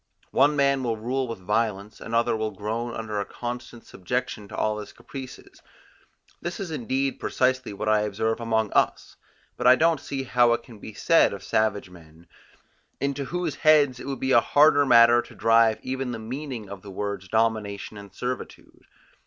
One man will rule with violence, another will groan under a constant subjection to all his caprices: this is indeed precisely what I observe among us, but I don't see how it can be said of savage men, into whose heads it would be a harder matter to drive even the meaning of the words domination and servitude.